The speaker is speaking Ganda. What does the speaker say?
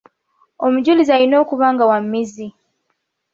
Omujulizi alina okuba nga wa mmizi.